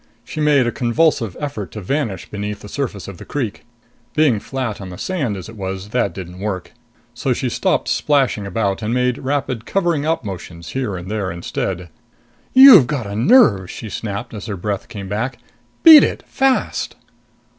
She made a convulsive effort to vanish beneath the surface of the creek. Being flat on the sand as it was, that didn't work. So she stopped splashing about and made rapid covering up motions here and there instead. "You've got a nerve!" she snapped as her breath came back. "Beat it! Fast!"